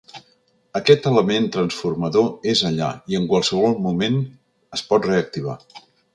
Aquest element transformador és allà i en qualsevol moment es pot reactivar.